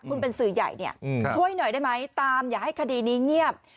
คุณเป็นสื่อใหญ่เนี่ยช่วยหน่อยได้ไหมตามอย่าให้คดีนี้เงียบ